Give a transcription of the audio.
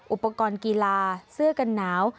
อุปกรณ์กีฬาเสื้อกันหนาว